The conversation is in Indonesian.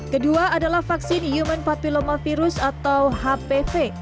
kedua adalah vaksin human papillomavirus atau hpv